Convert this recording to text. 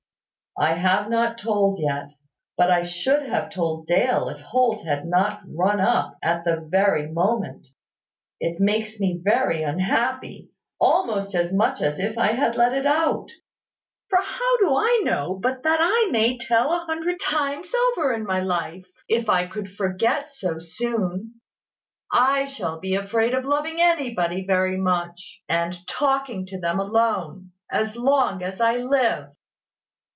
I have not told yet: but I should have told Dale if Holt had not run up at the very moment. It makes me very unhappy, almost as much as if I had let it out: for how do I know but that I may tell a hundred times over in my life, if I could forget so soon? I shall be afraid of loving anybody very much, and talking with them alone, as long as I live.